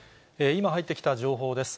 今入ってきた情報です。